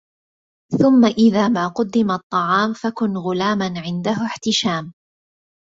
ثم إذا ما قدم الطعام فكن غلاما عنده احتشام